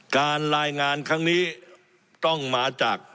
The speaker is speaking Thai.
การรายงานครั้งนี้ต้องมาจาก